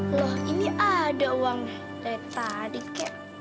loh ini ada uang dari tadi kek